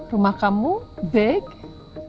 rumah kamu besar